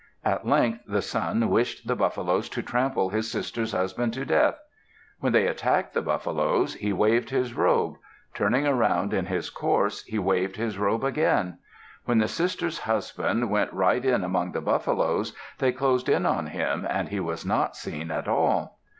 At length the son wished the buffaloes to trample his sister's husband to death. When they attacked the buffaloes, he waved his robe. Turning around in his course, he waved his robe again. When the sister's husband went right in among the buffaloes, they closed in on him and he was not seen at all.